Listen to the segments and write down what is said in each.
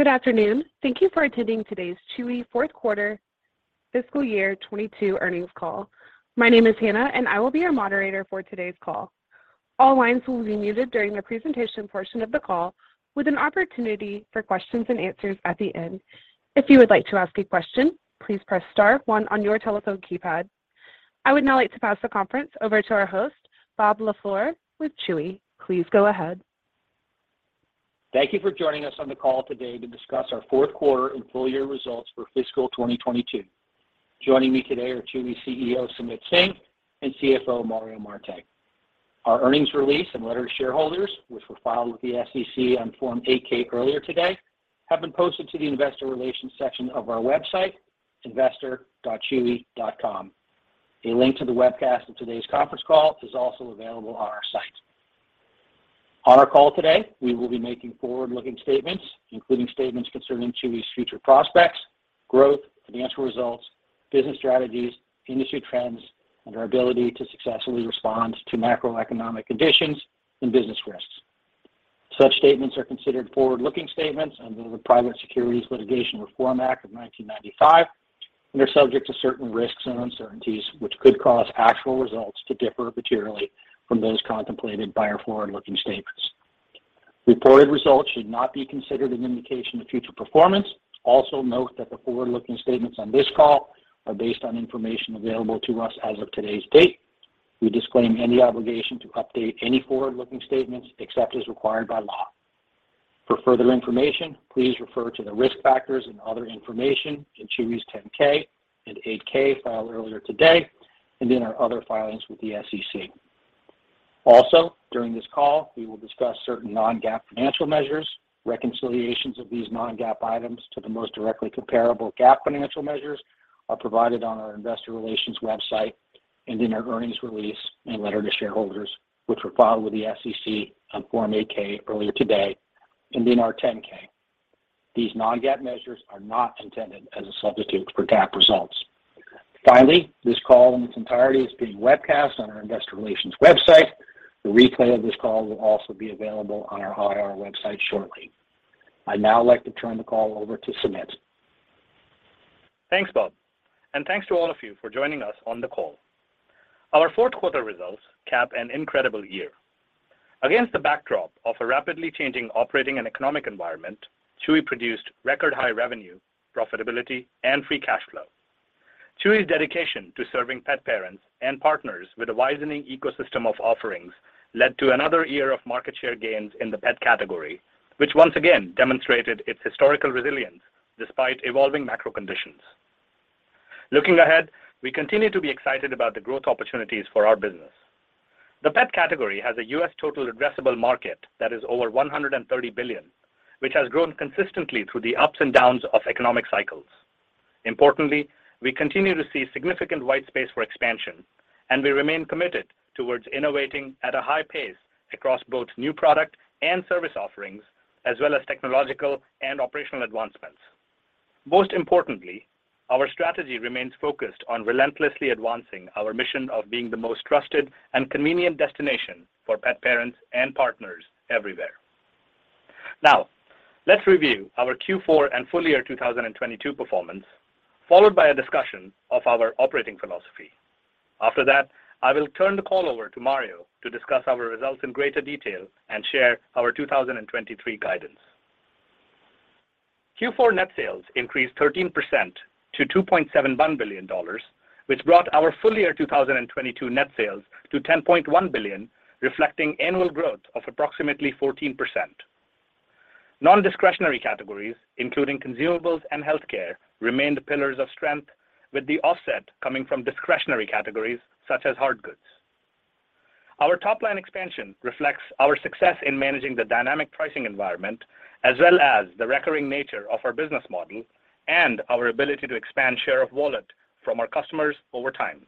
Good afternoon. Thank you for attending today's Chewy fourth quarter fiscal year 2022 earnings call. My name is Hannah, and I will be your moderator for today's call. All lines will be muted during the presentation portion of the call with an opportunity for questions and answers at the end. If you would like to ask a question, please press star one on your telephone keypad. I would now like to pass the conference over to our host, Bob LaFleur, with Chewy. Please go ahead. Thank you for joining us on the call today to discuss our fourth quarter and full year results for fiscal 2022. Joining me today are Chewy CEO, Sumit Singh, and CFO, Mario Marte. Our earnings release and letter to shareholders, which were filed with the SEC on Form 8-K earlier today, have been posted to the investor relations section of our website, investor.chewy.com. A link to the webcast of today's conference call is also available on our site. On our call today, we will be making forward-looking statements, including statements concerning Chewy's future prospects, growth, financial results, business strategies, industry trends, and our ability to successfully respond to macroeconomic conditions and business risks. Such statements are considered forward-looking statements under the Private Securities Litigation Reform Act of 1995 and are subject to certain risks and uncertainties which could cause actual results to differ materially from those contemplated by our forward-looking statements. Reported results should not be considered an indication of future performance. Note that the forward-looking statements on this call are based on information available to us as of today's date. We disclaim any obligation to update any forward-looking statements except as required by law. For further information, please refer to the risk factors and other information in Chewy's 10-K and 8-K filed earlier today, and in our other filings with the SEC. During this call, we will discuss certain non-GAAP financial measures. Reconciliations of these non-GAAP items to the most directly comparable GAAP financial measures are provided on our investor relations website and in our earnings release and letter to shareholders, which were filed with the SEC on Form 8-K earlier today, and in our 10-K. These non-GAAP measures are not intended as a substitute for GAAP results. This call in its entirety is being webcast on our investor relations website. The replay of this call will also be available on our IR website shortly. I'd now like to turn the call over to Sumit. Thanks, Bob, and thanks to all of you for joining us on the call. Our fourth quarter results cap an incredible year. Against the backdrop of a rapidly changing operating and economic environment, Chewy produced record high revenue, profitability, and free cash flow. Chewy's dedication to serving pet parents and partners with a widening ecosystem of offerings led to another year of market share gains in the pet category, which once again demonstrated its historical resilience despite evolving macro conditions. Looking ahead, we continue to be excited about the growth opportunities for our business. The pet category has a U.S. total addressable market that is over $130 billion, which has grown consistently through the ups and downs of economic cycles. We continue to see significant white space for expansion, and we remain committed towards innovating at a high pace across both new product and service offerings, as well as technological and operational advancements. Our strategy remains focused on relentlessly advancing our mission of being the most trusted and convenient destination for pet parents and partners everywhere. Let's review our Q4 and full year 2022 performance, followed by a discussion of our operating philosophy. I will turn the call over to Mario to discuss our results in greater detail and share our 2023 guidance. Q4 net sales increased 13% to $2.71 billion, which brought our full year 2022 net sales to $10.1 billion, reflecting annual growth of approximately 14%. Non-discretionary categories, including consumables and healthcare, remained pillars of strength, with the offset coming from discretionary categories such as hard goods. Our top-line expansion reflects our success in managing the dynamic pricing environment, as well as the recurring nature of our business model and our ability to expand share of wallet from our customers over time.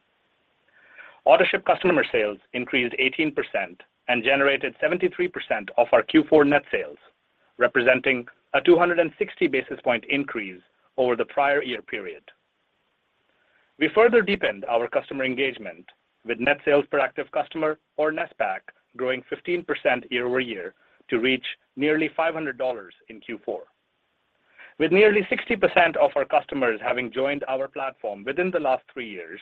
Autoship customer sales increased 18% and generated 73% of our Q4 net sales, representing a 260 basis point increase over the prior year period. We further deepened our customer engagement with NSPAC growing 15% year-over-year to reach nearly $500 in Q4. With nearly 60% of our customers having joined our platform within the last three years,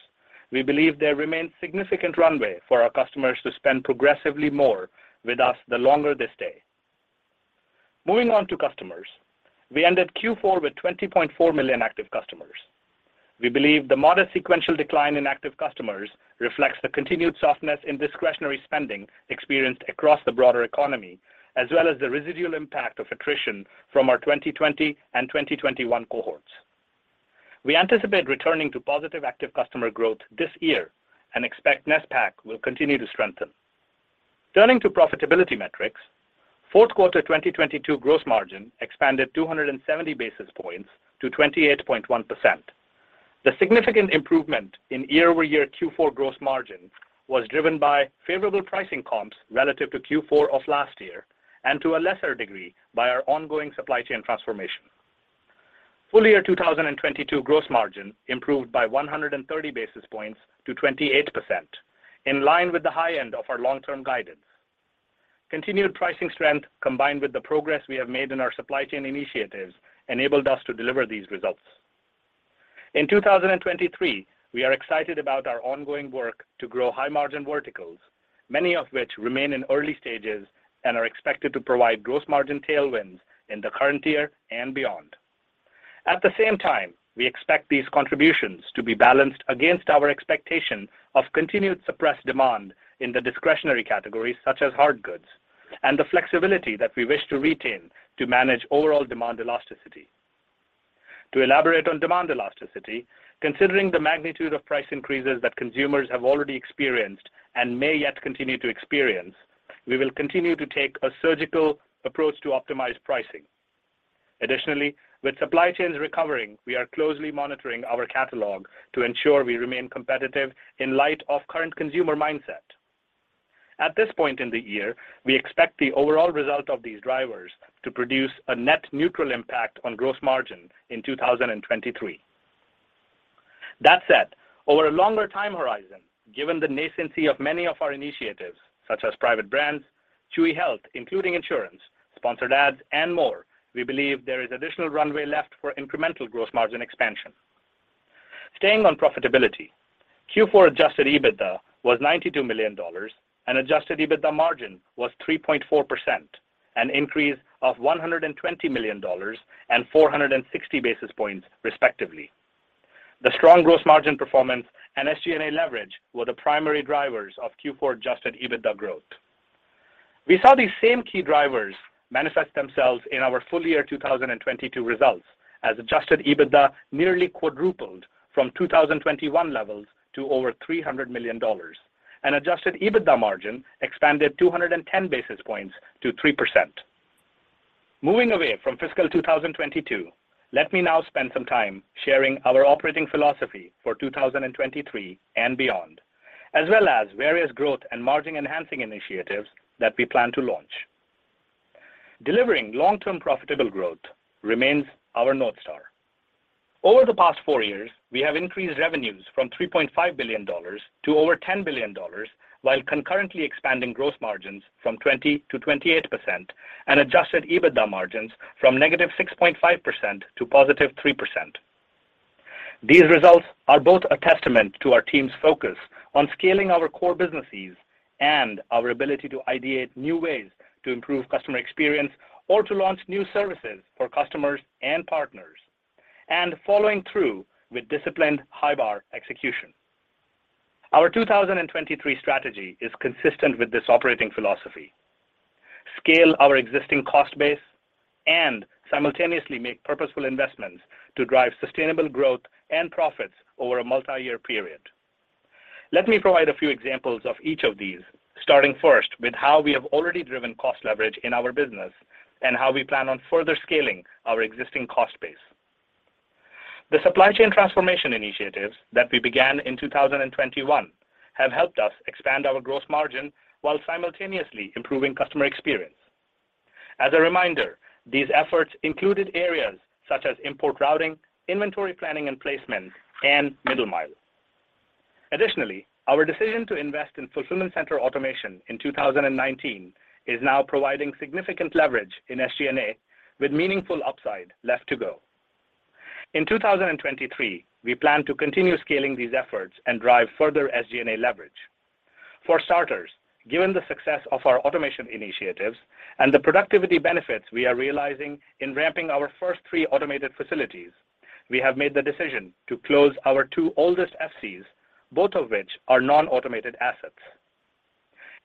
we believe there remains significant runway for our customers to spend progressively more with us the longer they stay. Moving on to customers. We ended Q4 with 20.4 million active customers. We believe the modest sequential decline in active customers reflects the continued softness in discretionary spending experienced across the broader economy, as well as the residual impact of attrition from our 2020 and 2021 cohorts. We anticipate returning to positive active customer growth this year and expect NSPAC will continue to strengthen. Turning to profitability metrics, fourth quarter 2022 gross margin expanded 270 basis points to 28.1%. The significant improvement in year-over-year Q4 gross margin was driven by favorable pricing comps relative to Q4 of last year, and to a lesser degree by our ongoing supply chain transformation. Full year 2022 gross margin improved by 130 basis points to 28%, in line with the high end of our long-term guidance. Continued pricing strength, combined with the progress we have made in our supply chain initiatives, enabled us to deliver these results. In 2023, we are excited about our ongoing work to grow high-margin verticals, many of which remain in early stages and are expected to provide gross margin tailwinds in the current year and beyond. At the same time, we expect these contributions to be balanced against our expectation of continued suppressed demand in the discretionary categories, such as hard goods, and the flexibility that we wish to retain to manage overall demand elasticity. To elaborate on demand elasticity, considering the magnitude of price increases that consumers have already experienced and may yet continue to experience, we will continue to take a surgical approach to optimize pricing. Additionally, with supply chains recovering, we are closely monitoring our catalog to ensure we remain competitive in light of current consumer mindset. At this point in the year, we expect the overall result of these drivers to produce a net neutral impact on gross margin in 2023. That said, over a longer time horizon, given the nascency of many of our initiatives, such as private brands, Chewy Health, including insurance, sponsored ads, and more, we believe there is additional runway left for incremental gross margin expansion. Staying on profitability, Q4 adjusted EBITDA was $92 million, and adjusted EBITDA margin was 3.4%, an increase of $120 million and 460 basis points, respectively. The strong gross margin performance and SG&A leverage were the primary drivers of Q4 adjusted EBITDA growth. We saw these same key drivers manifest themselves in our full year 2022 results, as adjusted EBITDA nearly quadrupled from 2021 levels to over $300 million, and adjusted EBITDA margin expanded 210 basis points to 3%. Moving away from fiscal 2022, let me now spend some time sharing our operating philosophy for 2023 and beyond, as well as various growth and margin-enhancing initiatives that we plan to launch. Delivering long-term profitable growth remains our North Star. Over the past four years, we have increased revenues from $3.5 billion to over $10 billion, while concurrently expanding gross margins from 20%-28% and adjusted EBITDA margins from negative 6.5% to positive 3%. These results are both a testament to our team's focus on scaling our core businesses and our ability to ideate new ways to improve customer experience or to launch new services for customers and partners, and following through with disciplined high bar execution. Our 2023 strategy is consistent with this operating philosophy. Scale our existing cost base and simultaneously make purposeful investments to drive sustainable growth and profits over a multi-year period. Let me provide a few examples of each of these, starting first with how we have already driven cost leverage in our business and how we plan on further scaling our existing cost base. The supply chain transformation initiatives that we began in 2021 have helped us expand our gross margin while simultaneously improving customer experience. As a reminder, these efforts included areas such as import routing, inventory planning and placement, and middle mile. Our decision to invest in fulfillment center automation in 2019 is now providing significant leverage in SG&A with meaningful upside left to go. In 2023, we plan to continue scaling these efforts and drive further SG&A leverage. Given the success of our automation initiatives and the productivity benefits we are realizing in ramping our three automated facilities, we have made the decision to close our two oldest FCs, both of which are non-automated assets.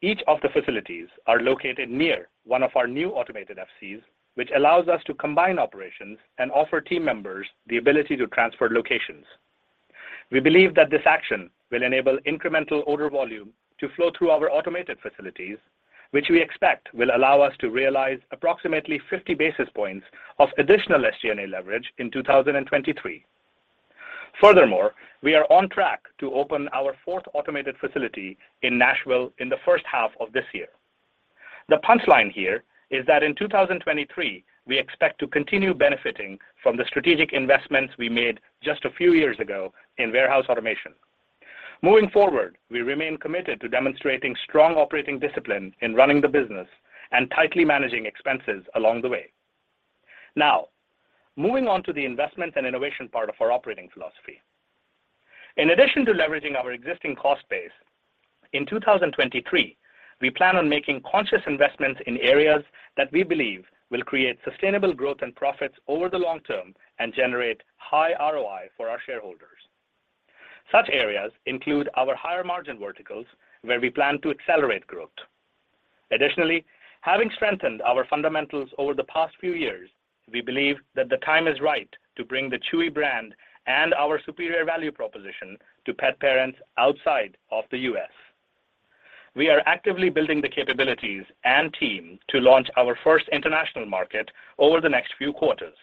Each of the facilities are located near one of our new automated FCs, which allows us to combine operations and offer team members the ability to transfer locations. We believe that this action will enable incremental order volume to flow through our automated facilities, which we expect will allow us to realize approximately 50 basis points of additional SG&A leverage in 2023. Furthermore, we are on track to open our fourth automated facility in Nashville in the first half of this year. The punchline here is that in 2023, we expect to continue benefiting from the strategic investments we made just a few years ago in warehouse automation. Moving forward, we remain committed to demonstrating strong operating discipline in running the business and tightly managing expenses along the way. Now, moving on to the investment and innovation part of our operating philosophy. In addition to leveraging our existing cost base, in 2023, we plan on making conscious investments in areas that we believe will create sustainable growth and profits over the long term and generate high ROI for our shareholders. Such areas include our higher-margin verticals, where we plan to accelerate growth. Additionally, having strengthened our fundamentals over the past few years, we believe that the time is right to bring the Chewy brand and our superior value proposition to pet parents outside of the U.S. We are actively building the capabilities and team to launch our first international market over the next few quarters.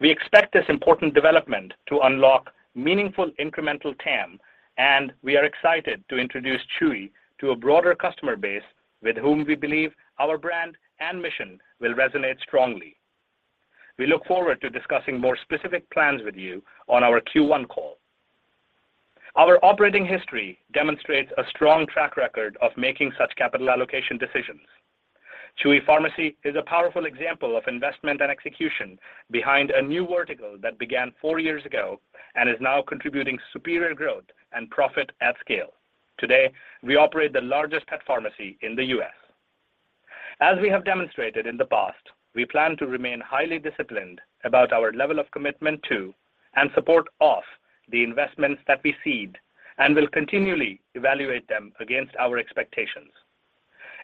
We expect this important development to unlock meaningful incremental TAM, and we are excited to introduce Chewy to a broader customer base with whom we believe our brand and mission will resonate strongly. We look forward to discussing more specific plans with you on our Q1 call. Our operating history demonstrates a strong track record of making such capital allocation decisions. Chewy Pharmacy is a powerful example of investment and execution behind a new vertical that began four years ago and is now contributing superior growth and profit at scale. Today, we operate the largest pet pharmacy in the U.S. As we have demonstrated in the past, we plan to remain highly disciplined about our level of commitment to and support of the investments that we seed and will continually evaluate them against our expectations.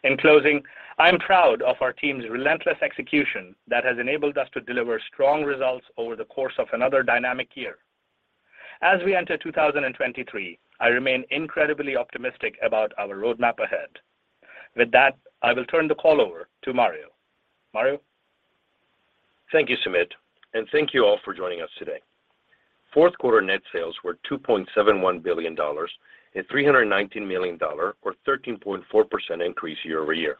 In closing, I am proud of our team's relentless execution that has enabled us to deliver strong results over the course of another dynamic year. As we enter 2023, I remain incredibly optimistic about our roadmap ahead. With that, I will turn the call over to Mario. Mario? Thank you, Sumit, and thank you all for joining us today. Fourth quarter net sales were $2.71 billion, a $319 million, or 13.4% increase year-over-year.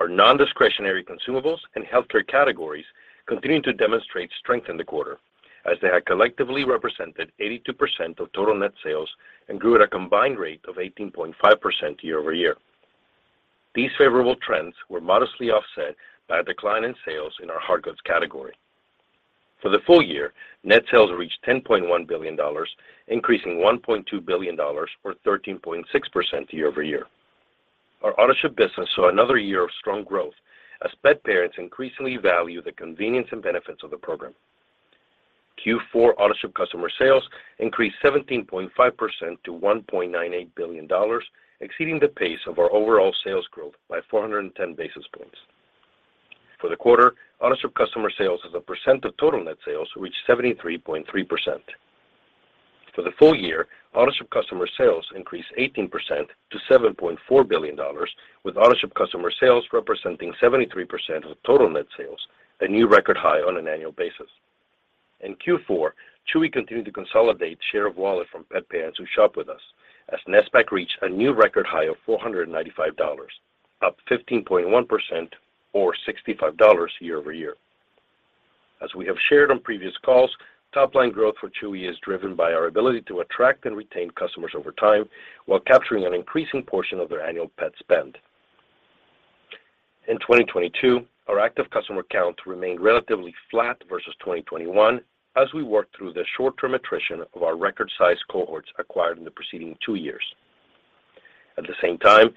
Our nondiscretionary consumables and healthcare categories continued to demonstrate strength in the quarter as they had collectively represented 82% of total net sales and grew at a combined rate of 18.5% year-over-year. These favorable trends were modestly offset by a decline in sales in our hard goods category. For the full year, net sales reached $10.1 billion, increasing $1.2 billion or 13.6% year-over-year. Our Autoship business saw another year of strong growth as pet parents increasingly value the convenience and benefits of the program. Q4 Autoship customer sales increased 17.5% to $1.98 billion, exceeding the pace of our overall sales growth by 410 basis points. For the quarter, Autoship customer sales as a percent of total net sales reached 73.3%. For the full year, Autoship customer sales increased 18% to $7.4 billion, with Autoship customer sales representing 73% of total net sales, a new record high on an annual basis. In Q4, Chewy continued to consolidate share of wallet from pet parents who shop with us as NSPAC reached a new record high of $495, up 15.1%, or $65 year-over-year. As we have shared on previous calls, top-line growth for Chewy is driven by our ability to attract and retain customers over time while capturing an increasing portion of their annual pet spend. In 2022, our active customer count remained relatively flat versus 2021 as we worked through the short-term attrition of our record-sized cohorts acquired in the preceding two years. At the same time,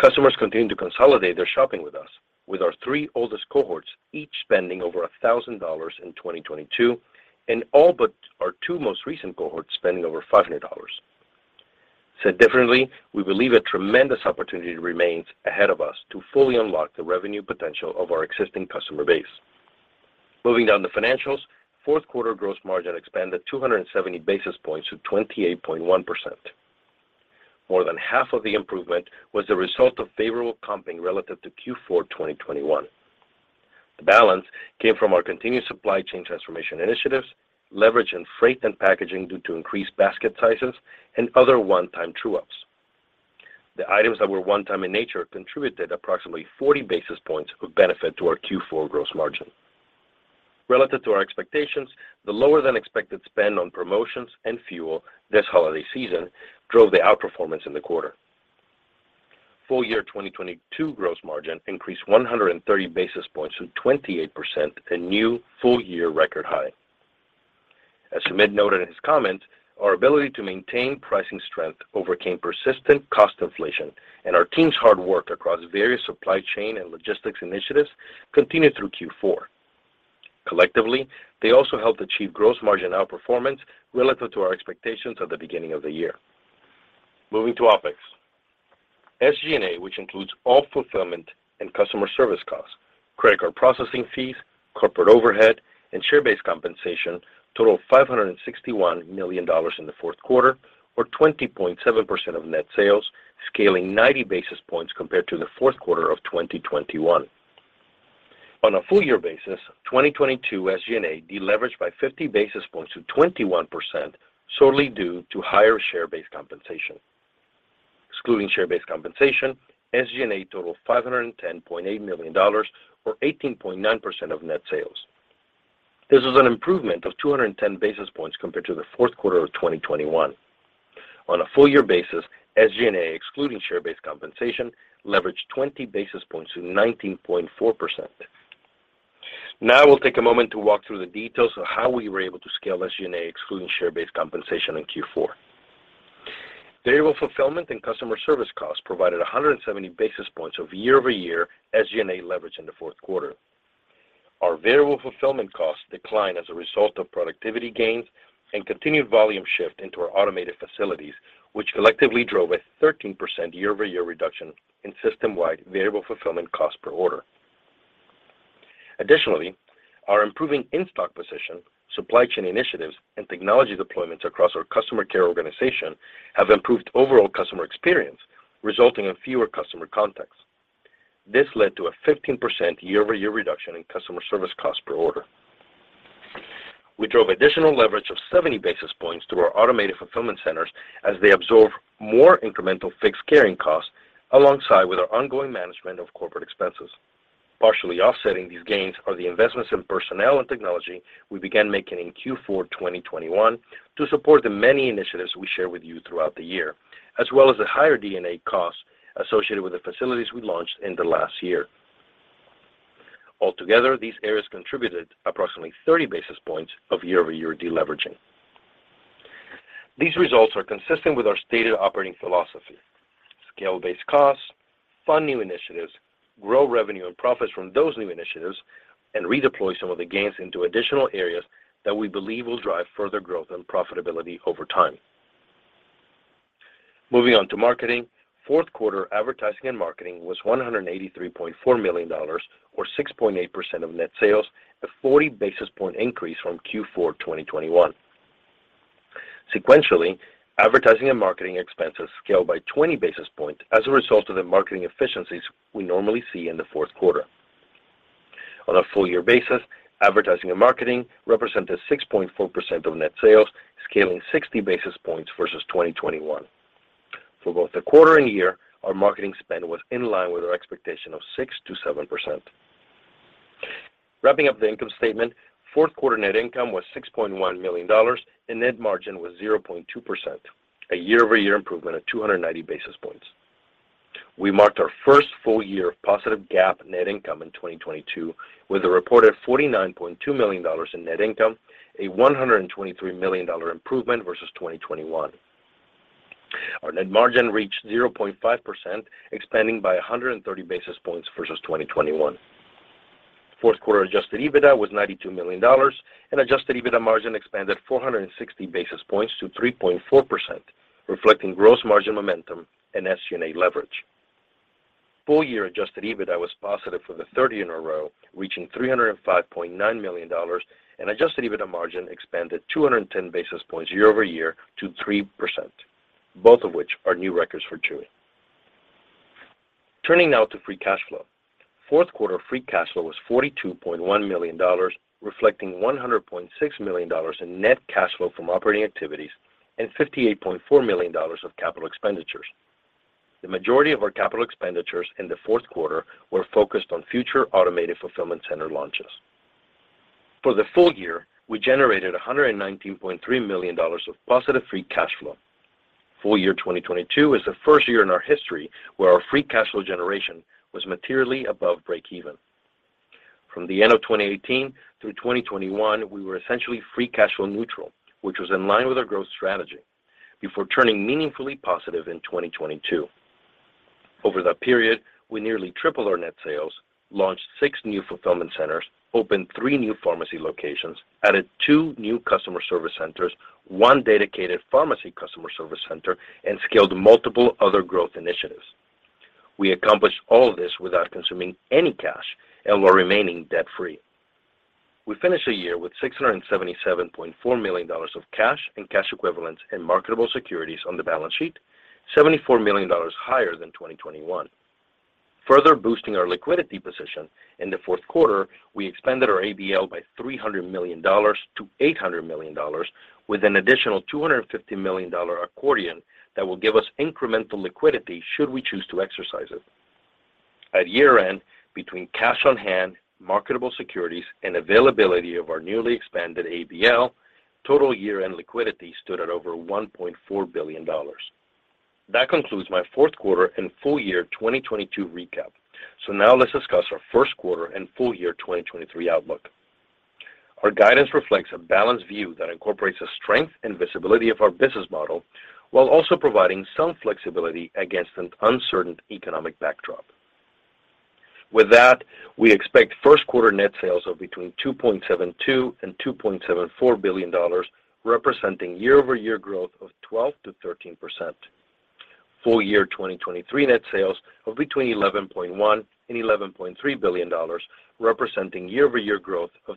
customers continued to consolidate their shopping with us, with our three oldest cohorts each spending over $1,000 in 2022, and all but our two most recent cohorts spending over $500. Said differently, we believe a tremendous opportunity remains ahead of us to fully unlock the revenue potential of our existing customer base. Moving down the financials, fourth quarter gross margin expanded 270 basis points to 28.1%. More than half of the improvement was the result of favorable comping relative to Q4 2021. The balance came from our continued supply chain transformation initiatives, leverage in freight and packaging due to increased basket sizes, and other one-time true-ups. The items that were one time in nature contributed approximately 40 basis points of benefit to our Q4 gross margin. Relative to our expectations, the lower than expected spend on promotions and fuel this holiday season drove the outperformance in the quarter. Full year 2022 gross margin increased 130 basis points to 28%, a new full-year record high. As Sumit noted in his comments, our ability to maintain pricing strength overcame persistent cost inflation, and our team's hard work across various supply chain and logistics initiatives continued through Q4. Collectively, they also helped achieve gross margin outperformance relative to our expectations at the beginning of the year. Moving to OpEx. SG&A, which includes all fulfillment and customer service costs, credit card processing fees, corporate overhead, and share-based compensation, totaled $561 million in the fourth quarter, or 20.7% of net sales, scaling 90 basis points compared to the fourth quarter of 2021. On a full year basis, 2022 SG&A deleveraged by 50 basis points to 21%, solely due to higher share-based compensation. Excluding share-based compensation, SG&A totaled $510.8 million, or 18.9% of net sales. This was an improvement of 210 basis points compared to the fourth quarter of 2021. On a full year basis, SG&A, excluding share-based compensation, leveraged 20 basis points to 19.4%. We'll take a moment to walk through the details of how we were able to scale SG&A, excluding share-based compensation, in Q4. Variable fulfillment and customer service costs provided 170 basis points of year-over-year SG&A leverage in the fourth quarter. Our variable fulfillment costs declined as a result of productivity gains and continued volume shift into our automated facilities, which collectively drove a 13% year-over-year reduction in system-wide variable fulfillment cost per order. Additionally, our improving in-stock position, supply chain initiatives, and technology deployments across our customer care organization have improved overall customer experience, resulting in fewer customer contacts. This led to a 15% year-over-year reduction in customer service cost per order. We drove additional leverage of 70 basis points through our automated fulfillment centers as they absorb more incremental fixed carrying costs alongside with our ongoing management of corporate expenses. Partially offsetting these gains are the investments in personnel and technology we began making in Q4 2021 to support the many initiatives we share with you throughout the year, as well as the higher D&A costs associated with the facilities we launched in the last year. Altogether, these areas contributed approximately 30 basis points of year-over-year deleveraging. These results are consistent with our stated operating philosophy. Scale-based costs, fund new initiatives, grow revenue and profits from those new initiatives, and redeploy some of the gains into additional areas that we believe will drive further growth and profitability over time. Moving on to marketing. Fourth quarter advertising and marketing was $183.4 million or 6.8% of net sales, a 40 basis point increase from Q4 2021. Sequentially, advertising and marketing expenses scaled by 20 basis points as a result of the marketing efficiencies we normally see in the fourth quarter. On a full year basis, advertising and marketing represented 6.4% of net sales, scaling 60 basis points versus 2021. For both the quarter and year, our marketing spend was in line with our expectation of 6%-7%. Wrapping up the income statement, fourth quarter net income was $6.1 million, and net margin was 0.2%, a year-over-year improvement of 290 basis points. We marked our first full year of positive GAAP net income in 2022, with a reported $49.2 million in net income, a $123 million improvement versus 2021. Our net margin reached 0.5%, expanding by 130 basis points versus 2021. Fourth quarter adjusted EBITDA was $92 million, and adjusted EBITDA margin expanded 460 basis points to 3.4%, reflecting gross margin momentum and SG&A leverage. Full year adjusted EBITDA was positive for the third year in a row, reaching $305.9 million, and adjusted EBITDA margin expanded 210 basis points year-over-year to 3%, both of which are new records for Chewy. Turning now to free cash flow. Fourth quarter free cash flow was $42.1 million, reflecting $100.6 million in net cash flow from operating activities and $58.4 million of capital expenditures. The majority of our capital expenditures in the fourth quarter were focused on future automated fulfillment center launches. For the full year, we generated $119.3 million of positive free cash flow. Full year 2022 is the first year in our history where our free cash flow generation was materially above breakeven. From the end of 2018 through 2021, we were essentially free cash flow neutral, which was in line with our growth strategy, before turning meaningfully positive in 2022. Over that period, we nearly tripled our net sales, launched six new fulfillment centers, opened three new pharmacy locations, added two new customer service centers, one dedicated pharmacy customer service center, and scaled multiple other growth initiatives. We accomplished all of this without consuming any cash and while remaining debt-free. We finished the year with $677.4 million of cash and cash equivalents and marketable securities on the balance sheet, $74 million higher than 2021. Further boosting our liquidity position, in the fourth quarter, we expanded our ABL by $300 million to $800 million with an additional $250 million accordion that will give us incremental liquidity should we choose to exercise it. At year-end, between cash on hand, marketable securities, and availability of our newly expanded ABL, total year-end liquidity stood at over $1.4 billion. That concludes my fourth quarter and full year 2022 recap. Now let's discuss our first quarter and full year 2023 outlook. Our guidance reflects a balanced view that incorporates the strength and visibility of our business model while also providing some flexibility against an uncertain economic backdrop. With that, we expect first quarter net sales of between $2.72 billion and $2.74 billion, representing year-over-year growth of 12%-13%. Full year 2023 net sales of between $11.1 billion and $11.3 billion, representing year-over-year growth of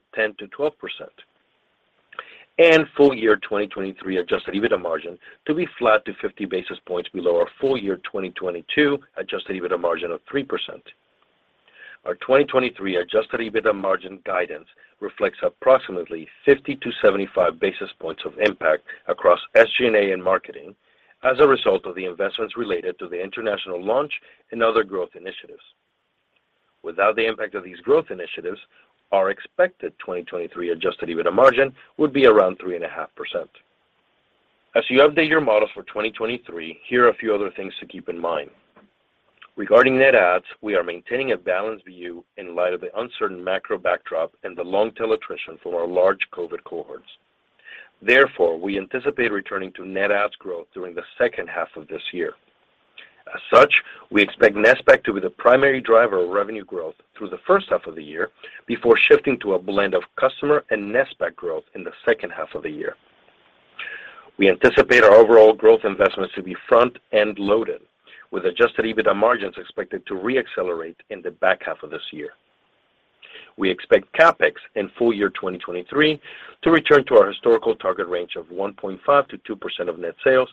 10%-12%. Full year 2023 adjusted EBITDA margin to be flat to 50 basis points below our full year 2022 adjusted EBITDA margin of 3%. Our 2023 adjusted EBITDA margin guidance reflects approximately 50-75 basis points of impact across SG&A and marketing as a result of the investments related to the international launch and other growth initiatives. Without the impact of these growth initiatives, our expected 2023 adjusted EBITDA margin would be around 3.5%. As you update your models for 2023, here are a few other things to keep in mind. Regarding net adds, we are maintaining a balanced view in light of the uncertain macro backdrop and the long tail attrition from our large COVID cohorts. We anticipate returning to net adds growth during the second half of this year. As such, we expect NSPAC to be the primary driver of revenue growth through the first half of the year before shifting to a blend of customer and NSPAC growth in the second half of the year. We anticipate our overall growth investments to be front-end loaded, with adjusted EBITDA margins expected to re-accelerate in the back half of this year. We expect CapEx in full year 2023 to return to our historical target range of 1.5%-2% of net sales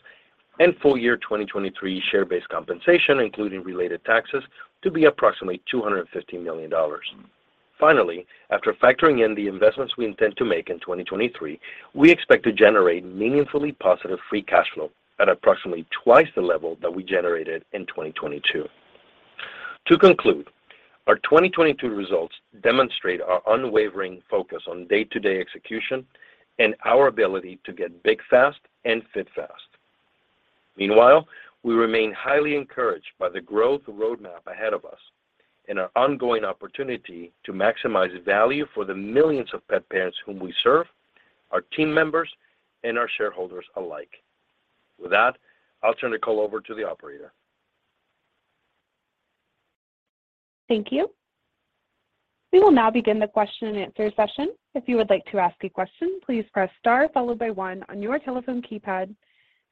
and full year 2023 share-based compensation, including related taxes, to be approximately $250 million. Finally, after factoring in the investments we intend to make in 2023, we expect to generate meaningfully positive free cash flow at approximately twice the level that we generated in 2022. To conclude, our 2022 results demonstrate our unwavering focus on day-to-day execution and our ability to get big fast and fit fast. Meanwhile, we remain highly encouraged by the growth roadmap ahead of us and our ongoing opportunity to maximize value for the millions of pet parents whom we serve, our team members, and our shareholders alike. With that, I'll turn the call over to the operator. Thank you. We will now begin the question and answer session. If you would like to ask a question, please press star followed by one on your telephone keypad.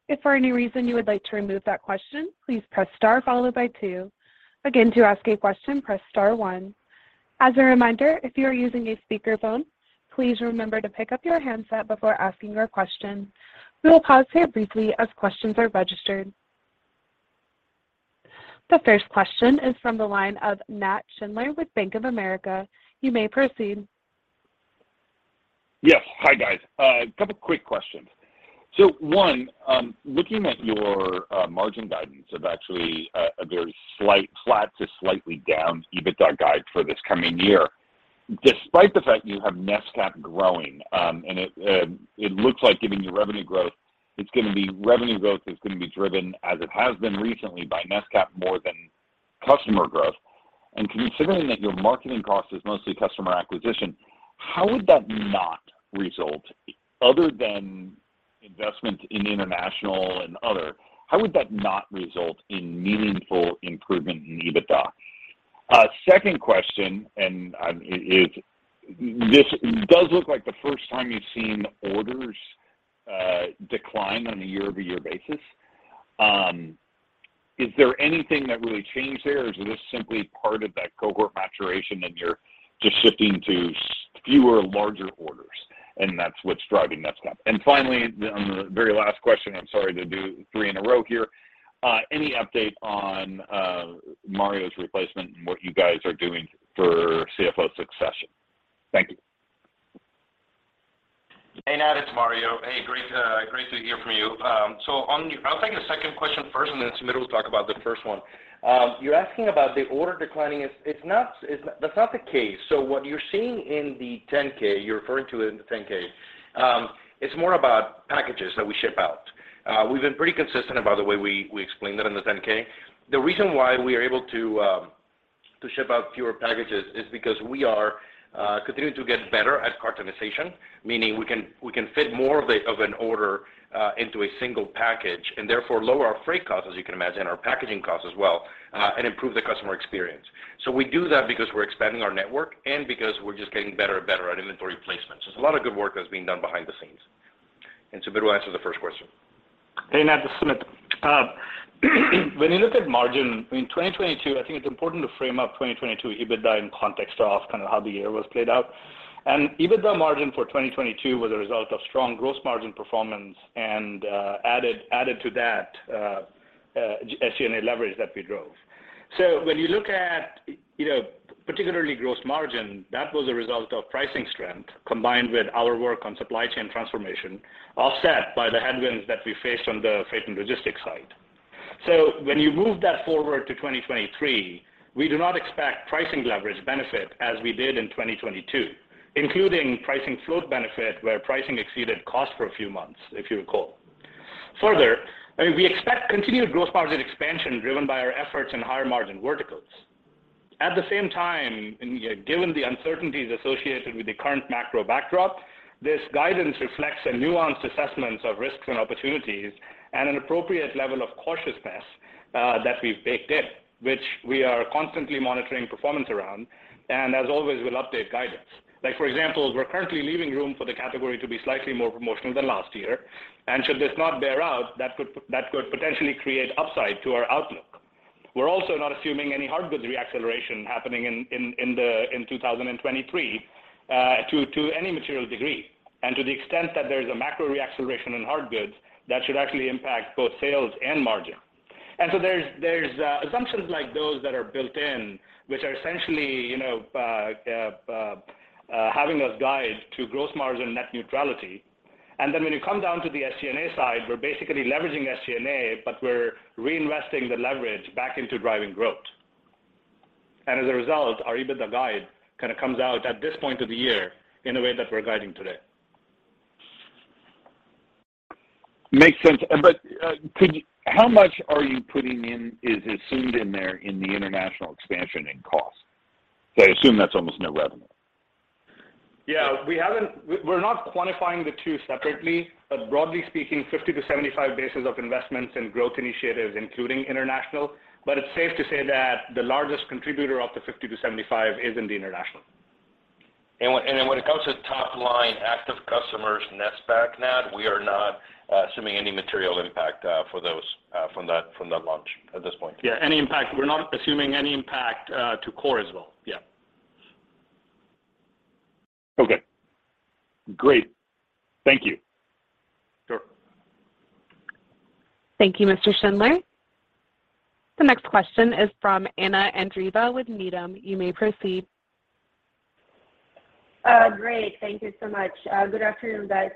If for any reason you would like to remove that question, please press star followed by two. Again, to ask a question, press star one. As a reminder, if you are using a speakerphone, please remember to pick up your handset before asking your question. We will pause here briefly as questions are registered. The first question is from the line of Nat Schindler with Bank of America. You may proceed. Yes. Hi, guys. A couple quick questions. One, looking at your margin guidance of actually a very slight flat to slightly down EBITDA guide for this coming year, despite the fact you have NSPAC growing, and it looks like giving you revenue growth, revenue growth is gonna be driven, as it has been recently, by NSPAC more than customer growth. Considering that your marketing cost is mostly customer acquisition, how would that not result other than investment in international and other, how would that not result in meaningful improvement in EBITDA? Second question, is this does look like the first time you've seen orders decline on a year-over-year basis? Is there anything that really changed there, or is this simply part of that cohort maturation and you're just shifting to fewer larger orders, and that's what's driving that gap? Finally, the very last question, I'm sorry to do three in a row here. Any update on Mario's replacement and what you guys are doing for CFO succession? Thank you. Hey, Nat, it's Mario. Hey, great to hear from you. On your I'll take the second question first, and then Sumit will talk about the first one. You're asking about the order declining. It's not, that's not the case. What you're seeing in the 10-K, you're referring to in the 10-K, it's more about packages that we ship out. We've been pretty consistent about the way we explain that in the 10-K. The reason why we are able to ship out fewer packages is because we are continuing to get better at cartonization, meaning we can fit more of an order into a single package and therefore lower our freight costs, as you can imagine, our packaging costs as well, and improve the customer experience. We do that because we're expanding our network and because we're just getting better and better at inventory placement. It's a lot of good work that's being done behind the scenes. Sumit will answer the first question. Hey, Nat. It's Sumit. When you look at margin in 2022, I think it's important to frame up 2022 EBITDA in context of kind of how the year was played out. EBITDA margin for 2022 was a result of strong gross margin performance and added to that, SG&A leverage that we drove. When you look at, you know, particularly gross margin, that was a result of pricing strength combined with our work on supply chain transformation, offset by the headwinds that we faced on the freight and logistics side. When you move that forward to 2023, we do not expect pricing leverage benefit as we did in 2022, including pricing float benefit, where pricing exceeded cost for a few months, if you recall. Further, I mean, we expect continued gross margin expansion driven by our efforts in higher margin verticals. At the same time, given the uncertainties associated with the current macro backdrop, this guidance reflects a nuanced assessment of risks and opportunities and an appropriate level of cautiousness that we've baked in, which we are constantly monitoring performance around and, as always, will update guidance. Like, for example, we're currently leaving room for the category to be slightly more promotional than last year. Should this not bear out, that could potentially create upside to our outlook. We're also not assuming any hard goods re-acceleration happening in 2023 to any material degree. To the extent that there's a macro re-acceleration in hard goods, that should actually impact both sales and margin. There's assumptions like those that are built in, which are essentially, you know, having us guide to gross margin net neutrality. When you come down to the SG&A side, we're basically leveraging SG&A, but we're reinvesting the leverage back into driving growth. As a result, our EBITDA guide kind of comes out at this point of the year in the way that we're guiding today. Makes sense. How much are you putting in is assumed in there in the international expansion and cost? I assume that's almost no revenue. Yeah. We're not quantifying the two separately. Broadly speaking, 50 to 75 basis of investments in growth initiatives, including international. It's safe to say that the largest contributor of the 50 to 75 is in the international. When it comes to top-line active customers net spend, Nat, we are not assuming any material impact for those from that launch at this point. Yeah, any impact. We're not assuming any impact to core as well. Yeah. Okay.Great. Thank you. Thank you, Mr. Schindler. The next question is from Anna Andreeva with Needham. You may proceed. Great. Thank you so much. Good afternoon, guys.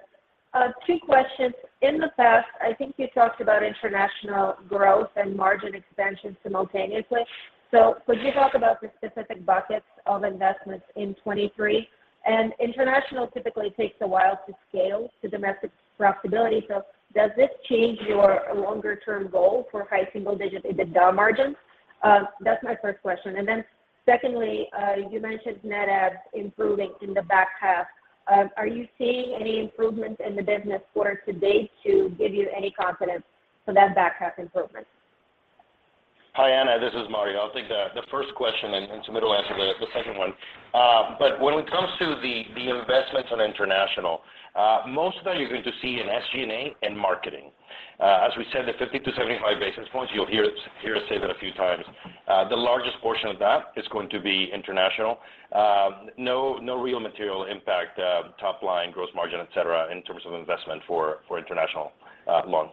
Two questions. In the past, I think you talked about international growth and margin expansion simultaneously. Could you talk about the specific buckets of investments in 2023? International typically takes a while to scale to domestic profitability, so does this change your longer-term goal for high single-digit EBITDA margins? That's my first question. Secondly, you mentioned net adds improving in the back half. Are you seeing any improvements in the business quarter to date to give you any confidence for that back half improvement? Hi, Anna. This is Mario. I'll take the first question and Sumit will answer the second one. When it comes to the investments on international, most of that you're going to see in SG&A and marketing. As we said, the 50-75 basis points, you'll hear us say that a few times. The largest portion of that is going to be international. No real material impact, top line, gross margin, et cetera, in terms of investment for international launch.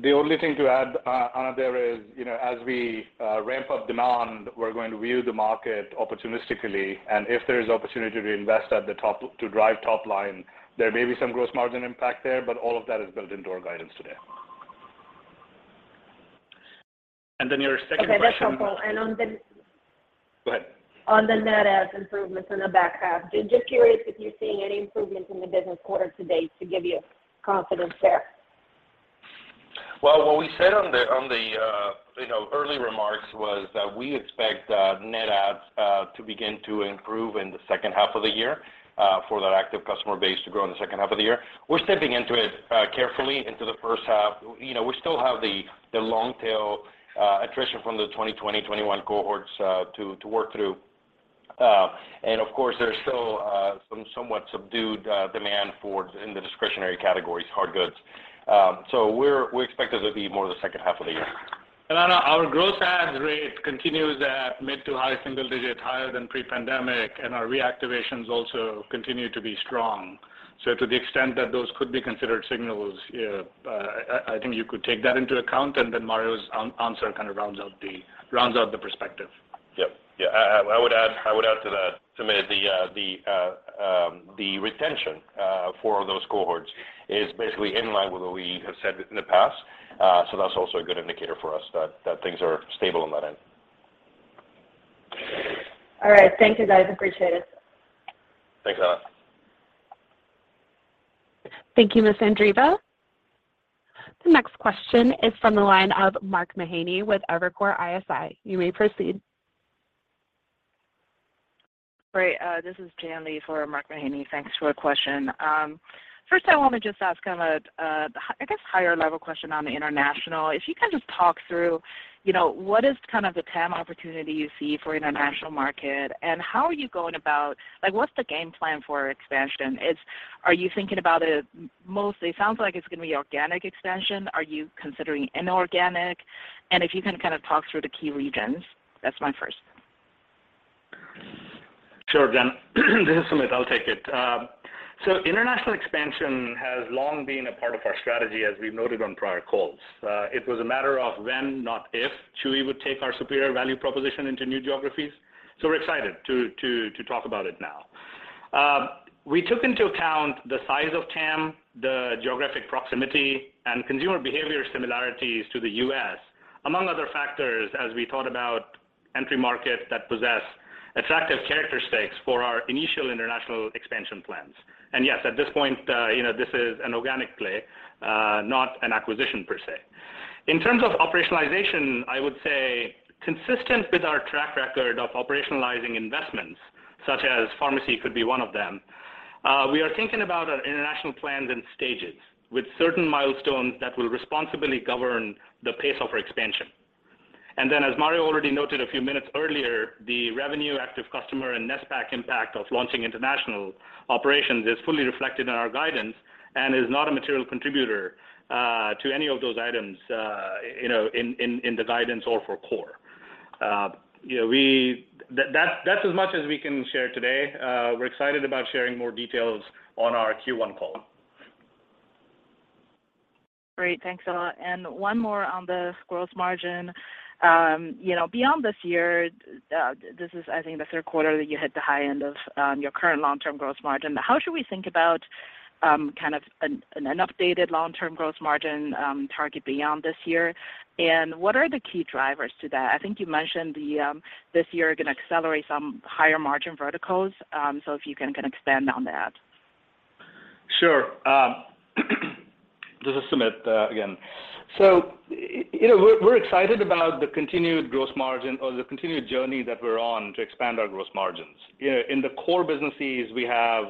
The only thing to add, Anna there is, you know, as we ramp up demand, we're going to view the market opportunistically, and if there's opportunity to invest at the top to drive top line, there may be some gross margin impact there, but all of that is built into our guidance today. Your second question Okay, that's helpful. on the- Go ahead. On the net adds improvements in the back half, just curious if you're seeing any improvements in the business quarter to date to give you confidence there. Well, what we said on the, on the, you know, early remarks was that we expect net adds to begin to improve in the second half of the year, for that active customer base to grow in the second half of the year. We're stepping into it carefully into the first half. You know, we still have the long tail attrition from the 2020, 2021 cohorts to work through. Of course, there's still some somewhat subdued demand for in the discretionary categories, hard goods. We expect this to be more the second half of the year. Anna, our gross adds rate continues at mid to high single digit, higher than pre-pandemic, and our reactivations also continue to be strong. To the extent that those could be considered signals, yeah, I think you could take that into account, Mario's answer kind of rounds out the perspective. Yep. Yeah. I would add to that, Sumit, the retention for those cohorts is basically in line with what we have said in the past. That's also a good indicator for us that things are stable on that end. Thank you, guys. Appreciate it. Thanks, Anna. Thank you, Ms. Andreeva. The next question is from the line of Mark Mahaney with Evercore ISI. You may proceed. Great. This is Jian Li for Mark Mahaney. Thanks for the question. First I want to just ask kind of a, I guess higher level question on the international. If you can just talk through, you know, what is kind of the TAM opportunity you see for international market. Like, what's the game plan for expansion? Are you thinking about it mostly, sounds like it's gonna be organic expansion. Are you considering inorganic? If you can kind of talk through the key regions. That's my first. Sure, Jen. This is Sumit. I'll take it. International expansion has long been a part of our strategy, as we've noted on prior calls. It was a matter of when, not if, Chewy would take our superior value proposition into new geographies. We're excited to talk about it now. We took into account the size of TAM, the geographic proximity, and consumer behavior similarities to the U.S., among other factors as we thought about entry markets that possess attractive characteristics for our initial international expansion plans. At this point, you know, this is an organic play, not an acquisition per se. In terms of operationalization, I would say consistent with our track record of operationalizing investments, such as pharmacy could be one of them, we are thinking about our international plans in stages, with certain milestones that will responsibly govern the pace of our expansion. As Mario already noted a few minutes earlier, the revenue active customer and NSPAC impact of launching international operations is fully reflected in our guidance and is not a material contributor to any of those items, you know, in, in the guidance or for core. You know, That's as much as we can share today. We're excited about sharing more details on our Q1 call. Great. Thanks a lot. One more on the gross margin. You know, beyond this year, this is I think the third quarter that you hit the high end of, your current long-term gross margin. How should we think about, kind of an updated long-term gross margin target beyond this year? What are the key drivers to that? I think you mentioned the, this year you're gonna accelerate some higher margin verticals, if you can kind of expand on that. Sure. This is Sumit Singh again. You know, we're excited about the continued gross margin or the continued journey that we're on to expand our gross margins. You know, in the core businesses, we have,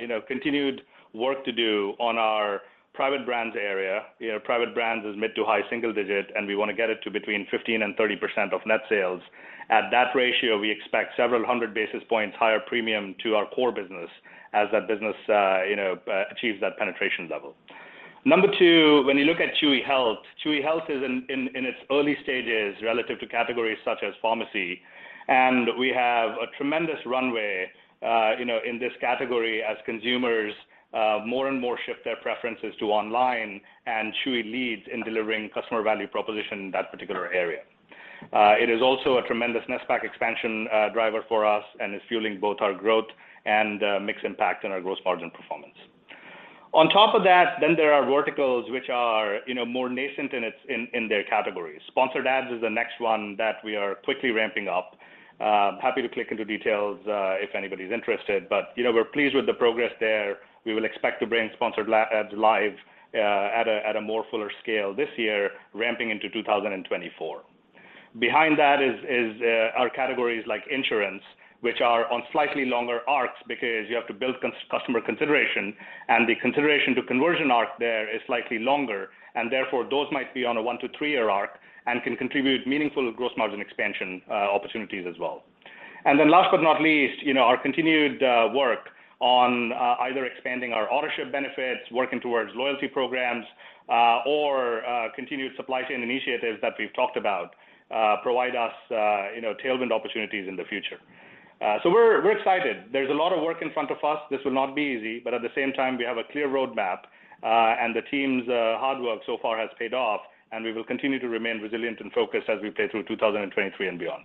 you know, continued work to do on our private brands area. You know, private brands is mid to high single digit, and we wanna get it to between 15% and 30% of net sales. At that ratio, we expect several hundred basis points higher premium to our core business as that business achieves that penetration level. Number two, when you look at Chewy Health, Chewy Health is in its early stages relative to categories such as pharmacy, and we have a tremendous runway, you know, in this category as consumers, more and more shift their preferences to online, and Chewy leads in delivering customer value proposition in that particular area. It is also a tremendous NSPAC expansion driver for us and is fueling both our growth and mix impact on our gross margin performance. On top of that, there are verticals which are, you know, more nascent in their categories. Sponsored ads is the next one that we are quickly ramping up. Happy to click into details, if anybody's interested. You know, we're pleased with the progress there. We will expect to bring sponsored ads live at a more fuller scale this year, ramping into 2024. Behind that is categories like insurance, which are on slightly longer arcs because you have to build customer consideration, and the consideration to conversion arc there is slightly longer, and therefore, those might be on a one to three year arc and can contribute meaningful gross margin expansion opportunities as well. Last but not least, you know, our continued work on either expanding our ownership benefits, working towards loyalty programs, or continued supply chain initiatives that we've talked about, provide us, you know, tailwind opportunities in the future. We're excited. There's a lot of work in front of us. This will not be easy, but at the same time, we have a clear roadmap, and the team's hard work so far has paid off, and we will continue to remain resilient and focused as we play through 2023 and beyond.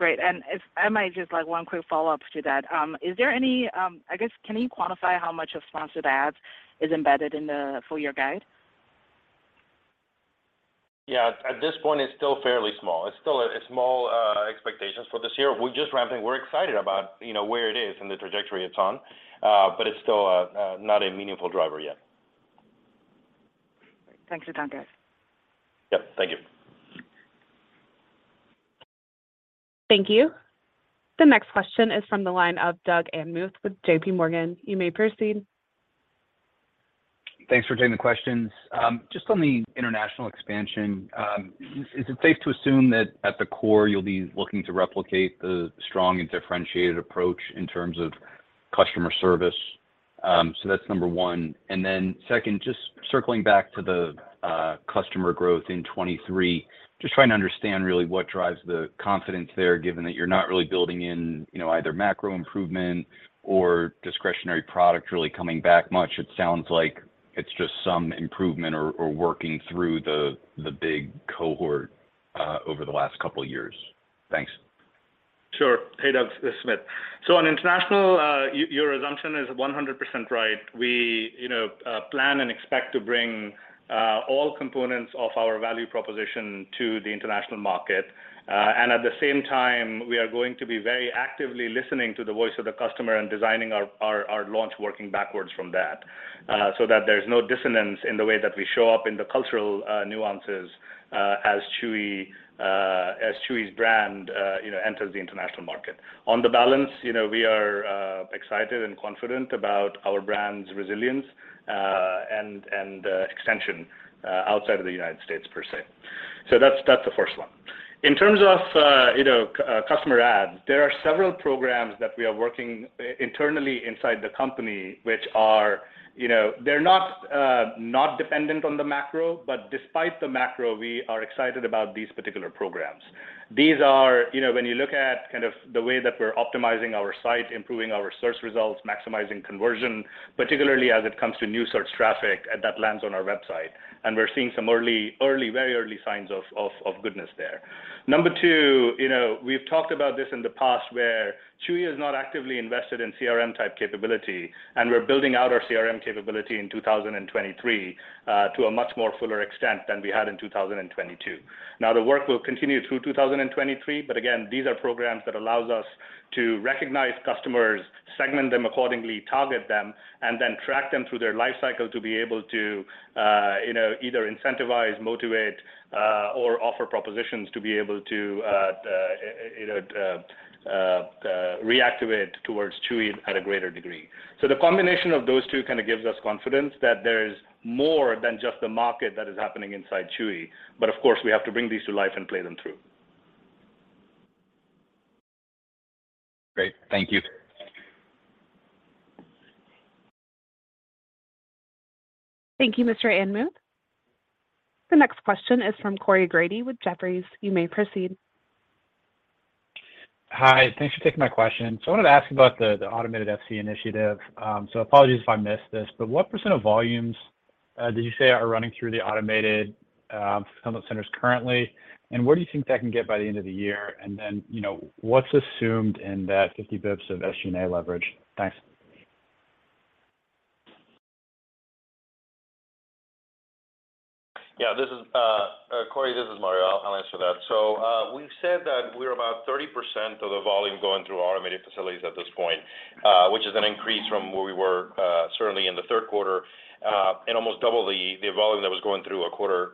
Great. If I might just like one quick follow-up to that. Is there any, I guess, can you quantify how much of sponsored ads is embedded in the full year guide? Yeah. At this point, it's still fairly small. It's still a small expectations for this year. We're just ramping. We're excited about, you know, where it is and the trajectory it's on. It's still not a meaningful driver yet. Thanks, Sumit. Yep. Thank you. Thank you. The next question is from the line of Doug Anmuth with JPMorgan. You may proceed. Thanks for taking the questions. Just on the international expansion, is it safe to assume that at the core, you'll be looking to replicate the strong and differentiated approach in terms of customer service? So that's number one. Second, just circling back to the customer growth in 2023. Just trying to understand really what drives the confidence there, given that you're not really building in, you know, either macro improvement or discretionary product really coming back much. It sounds like it's just some improvement or working through the big cohort over the last couple of years. Thanks. Sure. Hey, Doug, this is Sumit. On international, your assumption is 100% right. We, you know, plan and expect to bring all components of our value proposition to the international market. At the same time, we are going to be very actively listening to the voice of the customer and designing our launch working backwards from that, so that there's no dissonance in the way that we show up in the cultural nuances as Chewy, as Chewy's brand, you know, enters the international market. On the balance, you know, we are excited and confident about our brand's resilience and extension outside of the United States per se. That's, that's the first one. In terms of, you know, customer ads, there are several programs that we are working internally inside the company, which are, you know, they're not dependent on the macro, but despite the macro, we are excited about these particular programs. These are, you know, when you look at kind of the way that we're optimizing our site, improving our search results, maximizing conversion, particularly as it comes to new search traffic that lands on our website. We're seeing some early, very early signs of goodness there. Number two, you know, we've talked about this in the past where Chewy is not actively invested in CRM-type capability, and we're building out our CRM capability in 2023 to a much more fuller extent than we had in 2022. The work will continue through 2023, but again, these are programs that allows us to recognize customers, segment them accordingly, target them, and then track them through their life cycle to be able to, you know, either incentivize, motivate, or offer propositions to be able to, you know, reactivate towards Chewy at a greater degree. The combination of those two kinda gives us confidence that there is more than just the market that is happening inside Chewy. Of course, we have to bring these to life and play them through. Great. Thank you. Thank you, Mr. Anmuth. The next question is from Corey Grady with Jefferies. You may proceed. Hi. Thanks for taking my question. I wanted to ask about the automated FC initiative. Apologies if I missed this, but what % of volumes did you say are running through the automated fulfillment centers currently? Where do you think that can get by the end of the year? You know, what's assumed in that 50 bps of SG&A leverage? Thanks. This is Corey, this is Mario. I'll answer that. We've said that we're about 30% of the volume going through automated facilities at this point, which is an increase from where we were, certainly in the third quarter, and almost double the volume that was going through a quarter,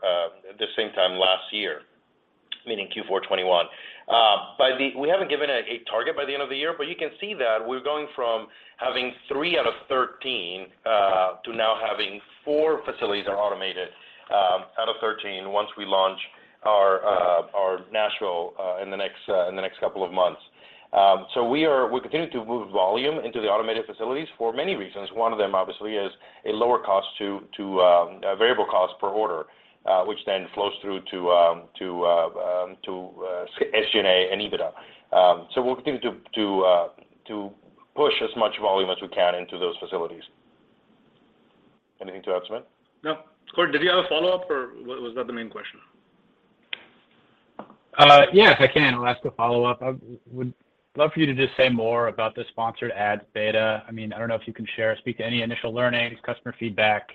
the same time last year, meaning Q4 2021. By the we haven't given a target by the end of the year, but you can see that we're going from having three out of 13, to now having four facilities that are automated, out of 13 once we launch our Nashville in the next couple of months. We continue to move volume into the automated facilities for many reasons. One of them, obviously, is a lower cost to a variable cost per order, which then flows through to SG&A and EBITDA. We'll continue. Push as much volume as we can into those facilities. Anything to add, Sumit? No. Did you have a follow-up, or was that the main question? Yes, I can. I'll ask a follow-up. I would love for you to just say more about the sponsored ads beta. I mean, I don't know if you can share or speak to any initial learnings, customer feedback,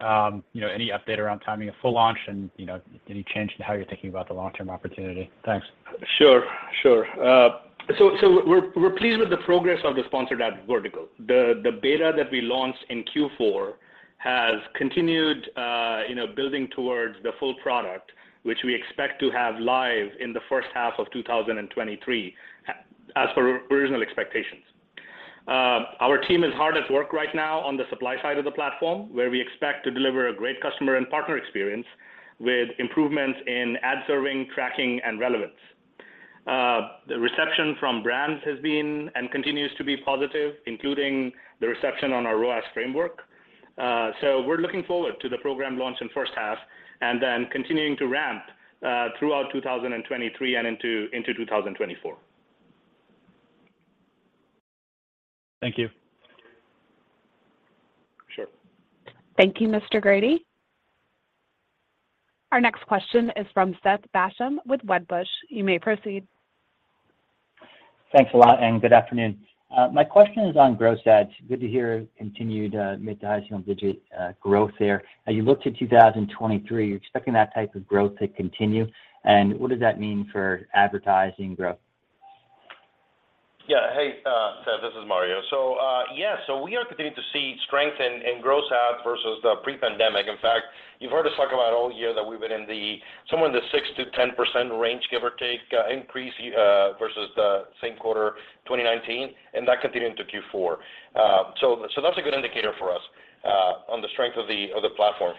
you know, any update around timing of full launch and, you know, any change in how you're thinking about the long-term opportunity. Thanks. Sure, sure. We're pleased with the progress of the sponsored ads vertical. The beta that we launched in Q4 has continued, you know, building towards the full product, which we expect to have live in the first half of 2023, as per original expectations. Our team is hard at work right now on the supply side of the platform, where we expect to deliver a great customer and partner experience with improvements in ad serving, tracking, and relevance. The reception from brands has been and continues to be positive, including the reception on our ROAS framework. We're looking forward to the program launch in first half and then continuing to ramp throughout 2023 and into 2024. Thank you. Sure. Thank you, Mr. Grady. Our next question is from Seth Basham with Wedbush. You may proceed. Thanks a lot. Good afternoon. My question is on gross ads. Good to hear continued mid-to-high single-digit growth there. As you look to 2023, are you expecting that type of growth to continue, and what does that mean for advertising growth? Yeah. Hey, Seth, this is Mario. We are continuing to see strength in gross ads versus the pre-pandemic. In fact, you've heard us talk about all year that we've been in the somewhere in the 6%-10% range, give or take, increase versus the same quarter 2019, and that continued into Q4. That's a good indicator for us on the strength of the platform.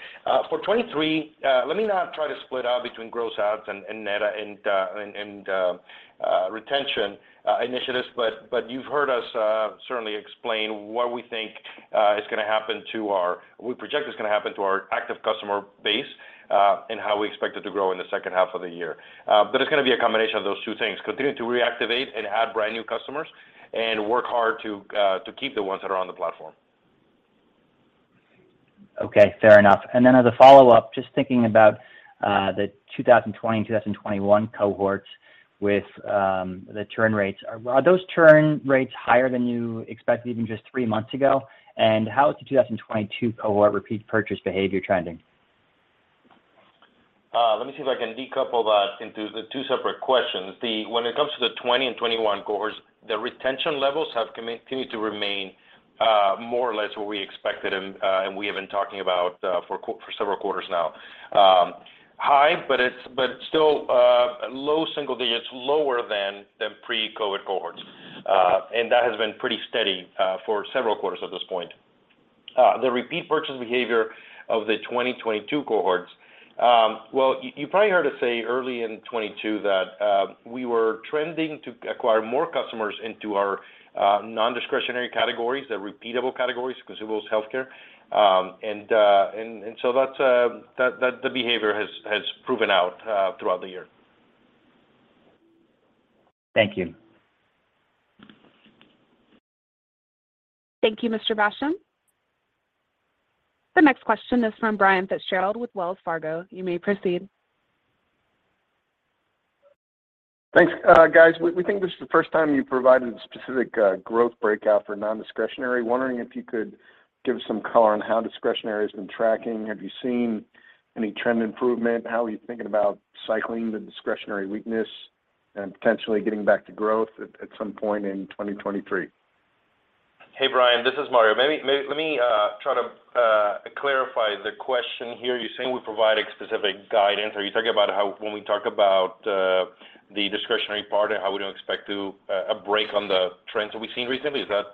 For 2023, let me not try to split out between gross ads and net and and retention initiatives, but you've heard us certainly explain what we think is gonna happen to our what we project is gonna happen to our active customer base and how we expect it to grow in the second half of the year. It's gonna be a combination of those two things, continue to reactivate and add brand-new customers and work hard to keep the ones that are on the platform. Okay, fair enough. As a follow-up, just thinking about the 2020 and 2021 cohorts with the churn rates. Are those churn rates higher than you expected even just three months ago? How is the 2022 cohort repeat purchase behavior trending? Let me see if I can decouple that into the two separate questions. When it comes to the 2020 and 2021 cohorts, the retention levels have continued to remain more or less what we expected and we have been talking about for several quarters now. High, but still low single digits, lower than pre-COVID cohorts. That has been pretty steady for several quarters at this point. The repeat purchase behavior of the 2022 cohorts, well you probably heard us say early in 2022 that we were trending to acquire more customers into our non-discretionary categories, the repeatable categories, consumables, healthcare. So that's that the behavior has proven out throughout the year. Thank you. Thank you, Mr. Basham. The next question is from Brian Fitzgerald with Wells Fargo. You may proceed. Thanks, guys. We think this is the first time you've provided specific growth breakout for non-discretionary. Wondering if you could give some color on how discretionary has been tracking. Have you seen any trend improvement? How are you thinking about cycling the discretionary weakness and potentially getting back to growth at some point in 2023? Hey, Brian, this is Mario. Let me try to clarify the question here. You're saying we provide a specific guidance? Are you talking about how when we talk about the discretionary part and how we don't expect to a break on the trends that we've seen recently? Is that?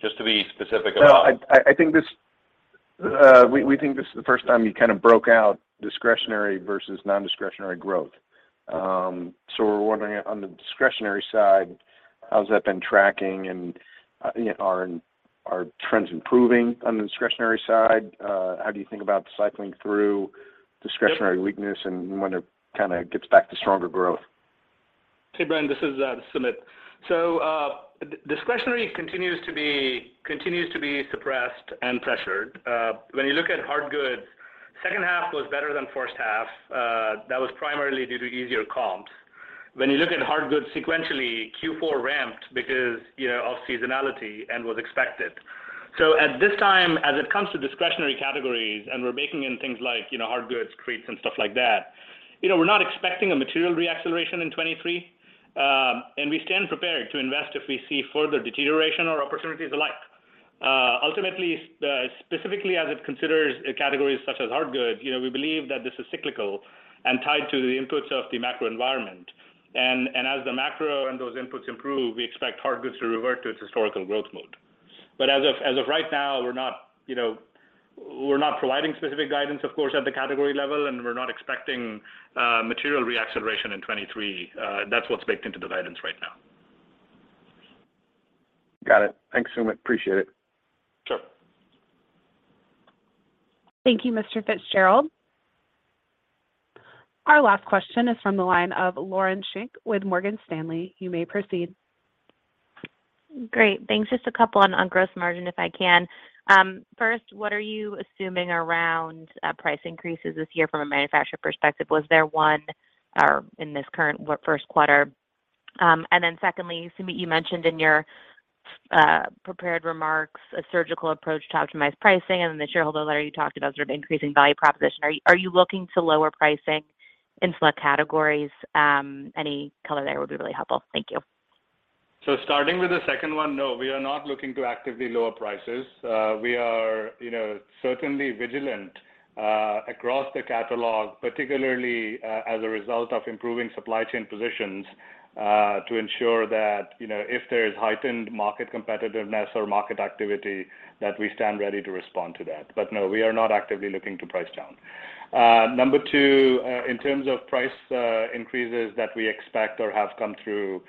Just to be specific about. No, I think this, we think this is the first time you kind of broke out discretionary versus non-discretionary growth. We're wondering on the discretionary side, how's that been tracking and, you know, are trends improving on the discretionary side? How do you think about cycling through discretionary weakness and when it kind of gets back to stronger growth? Hey, Brian, this is Sumit. Discretionary continues to be suppressed and pressured. When you look at hard goods, second half was better than first half. That was primarily due to easier comps. When you look at hard goods sequentially, Q4 ramped because, you know, of seasonality and was expected. At this time, as it comes to discretionary categories and we're baking in things like, you know, hard goods, treats, and stuff like that, you know, we're not expecting a material re-acceleration in 2023. We stand prepared to invest if we see further deterioration or opportunities alike. Ultimately, specifically as it considers categories such as hard goods, you know, we believe that this is cyclical and tied to the inputs of the macro environment. As the macro and those inputs improve, we expect hard goods to revert to its historical growth mode. As of right now, we're not, you know, we're not providing specific guidance, of course, at the category level, and we're not expecting material re-acceleration in 2023. That's what's baked into the guidance right now. Got it. Thanks, Sumit. Appreciate it. Thank you, Mr. Fitzgerald. Our last question is from the line of Lauren Schenk with Morgan Stanley. You may proceed. Great. Thanks. Just a couple on gross margin, if I can. First, what are you assuming around price increases this year from a manufacturer perspective? Was there one in this current first quarter? Secondly, Sumit, you mentioned in your prepared remarks a surgical approach to optimize pricing, and in the shareholder letter, you talked about sort of increasing value proposition. Are you looking to lower pricing in select categories? Any color there would be really helpful. Thank you. Starting with the second one, no, we are not looking to actively lower prices. We are, you know, certainly vigilant across the catalog, particularly as a result of improving supply chain positions, to ensure that, you know, if there is heightened market competitiveness or market activity, that we stand ready to respond to that. No, we are not actively looking to price down. Number two, in terms of price increases that we expect or have come through,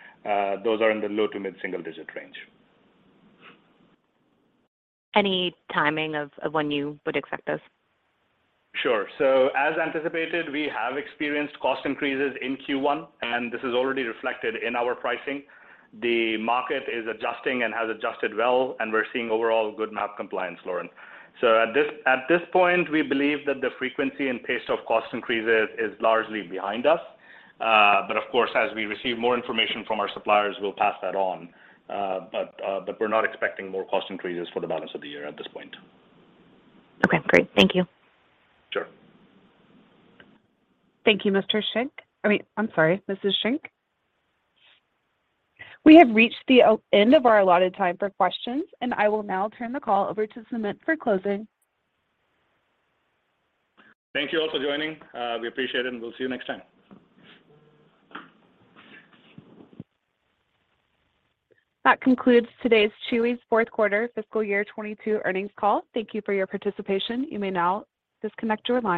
those are in the low to mid-single digit range. Any timing of when you would expect this? Sure. As anticipated, we have experienced cost increases in Q1, and this is already reflected in our pricing. The market is adjusting and has adjusted well, and we're seeing overall good MAP compliance, Lauren. At this point, we believe that the frequency and pace of cost increases is largely behind us. Of course, as we receive more information from our suppliers, we'll pass that on. We're not expecting more cost increases for the balance of the year at this point. Okay, great. Thank you. Sure. Thank you, Mr. Schenk. I mean, I'm sorry, Mrs. Schenk. We have reached the end of our allotted time for questions. I will now turn the call over to Sumit for closing. Thank you all for joining. We appreciate it, and we'll see you next time. That concludes today's Chewy's fourth quarter fiscal year 2022 earnings call. Thank you for your participation. You may now disconnect your line.